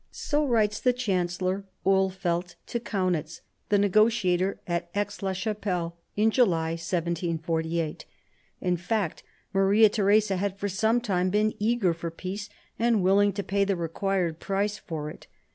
So writes the Chancellor Ulfeld to Kaunitz, the negotiator at Aix la Chapelle, in July 1748. In fact Maria Theresa had for some time been eager for peace, and willing to pay the required price for it.